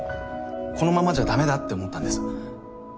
このままじゃだめだって思ったんです。